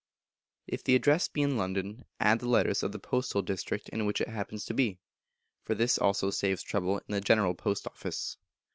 If the Address be in London add the letters of the postal district in which it happens to be, for this also saves trouble in the General Post Office.